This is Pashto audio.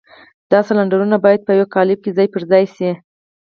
دا سلنډرونه بايد په يوه قالب کې ځای پر ځای شي.